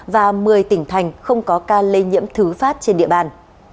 và một mươi tỉnh thành không có ca lây nhiễm thứ phát trên địa bàn